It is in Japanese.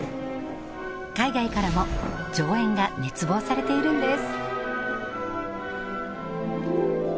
海外からも上演が熱望されているんです